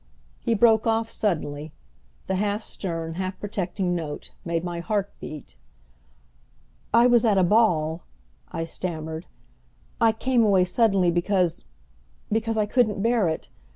He broke off suddenly. The half stern, half protecting note made my heart beat. "I was at a ball," I stammered. "I came away suddenly because because I couldn't bear it.